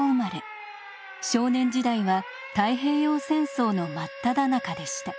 少年時代は太平洋戦争の真っただ中でした。